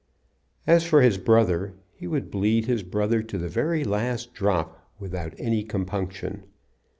As for his brother, he would bleed his brother to the very last drop without any compunction.